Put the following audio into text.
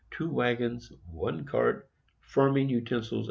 Two Wagons, One Cart, Farming Utensils, &c.